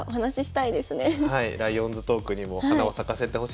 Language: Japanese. ライオンズトークにも花を咲かせてほしいなと思います。